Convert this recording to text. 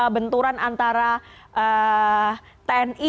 benturan antara tni